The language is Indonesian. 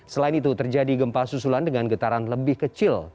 selain itu terjadi gempa susulan dengan getaran lebih kecil